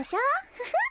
フフッ。